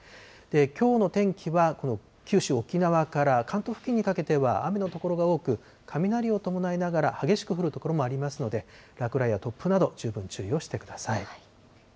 きょうの天気は九州、沖縄から関東付近にかけては雨の所が多く、雷を伴いながら激しく降る所もありますので、落雷や突風など十分に注意をしてください。